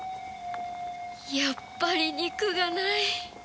やっぱり肉がない